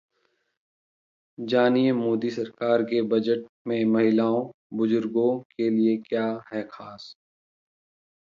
जानिए, मोदी सरकार के बजट में महिलाओं, बुजुर्गों के लिए क्या है खास?